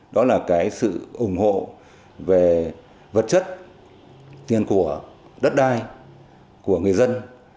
đó là cái sự ủng hộ về vật chất tiền của đất đai của người dân